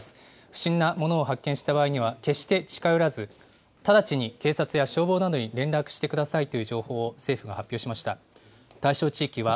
不審なものを発見した場合には、決して近寄らず、直ちに警察や消防などに連絡してくださいという情報を政府が発表しました。